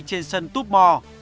trên sân tupmor